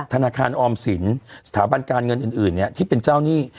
ธนาคารออมศรินย์สถาบันการเงินอื่นเนี่ยที่เป็นเจ้านี่